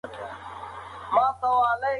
آیا پوهېږئ چې ټولنه څنګه پراخیږي؟